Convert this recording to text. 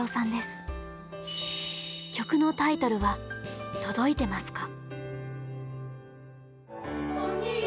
曲のタイトルは「とどいてますか」。